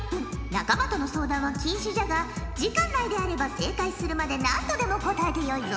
仲間との相談は禁止じゃが時間内であれば正解するまで何度でも答えてよいぞ！